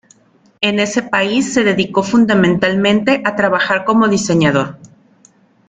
En ese país se dedicó fundamentalmente a trabajar como diseñador.